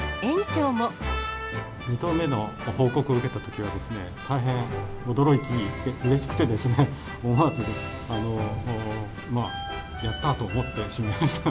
２頭目の報告を受けたときは、大変驚き、うれしくてですね、思わず、やったーと思ってしまいました。